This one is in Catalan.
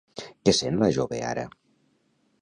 Què sent la jove ara?